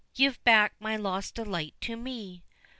Give back my lost delight to me!